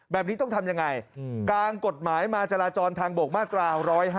แบบนี้ต้องทำยังไงกลางกฎหมายมาจราจรทางบกมาตรา๑๕